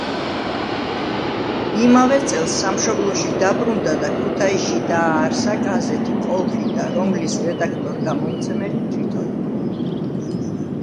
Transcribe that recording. იმავე წელს სამშობლოში დაბრუნდა და ქუთაისში დააარსა გაზეთი „კოლხიდა“, რომლის რედაქტორ-გამომცემელი თვითონ იყო.